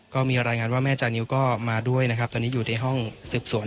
ก็มีรายงานว่าแม่จานิวก็มาด้วยนะครับตอนนี้อยู่ในห้องสืบสวน